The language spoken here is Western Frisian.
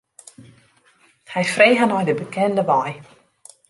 Hy freget nei de bekende wei.